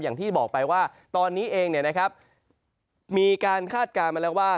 อย่างที่บอกไปว่าตอนนี้เองมีการคาดการณ์มาแล้วว่า